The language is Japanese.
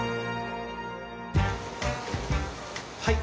はい。